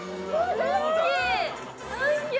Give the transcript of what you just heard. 大好き！